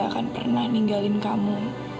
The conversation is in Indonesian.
aku gak akan pernah ninggalin kamu